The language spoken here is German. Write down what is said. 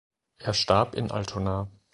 Er starb in Altona.